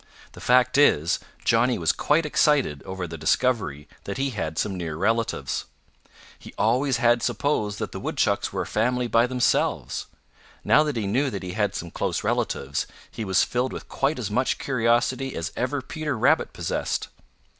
The fact is, Johnny was quite excited over the discovery that he had some near relatives. He always had supposed that the Woodchucks were a family by themselves. Now that he knew that he had some close relatives, he was filled with quite as much curiosity as ever Peter Rabbit possessed.